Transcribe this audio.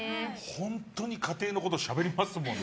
本当に家庭のことをしゃべりますもんね。